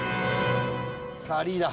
さあリーダー